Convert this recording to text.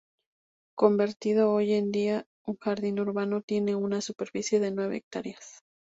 Convertido hoy en día en un jardín urbano, tiene una superficie de nueve hectáreas.